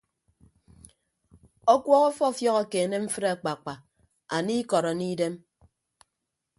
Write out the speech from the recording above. Ọkuọọk ọfiọfiọk ekeene mfịd akpaakpa anie ikọd anie idem.